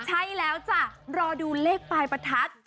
ใช้แล้วจ๊ะรอดูเลขไปรตรัส